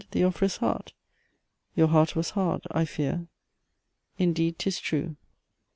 The offerer's heart. "Your heart was hard, I fear." Indeed 'tis true.